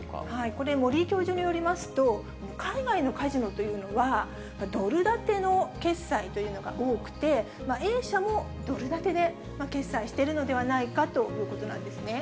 これ、森井教授によりますと、海外のカジノというのは、ドル建ての決済というのが多くて、Ａ社もドル建てで決済しているのではないかということなんですね。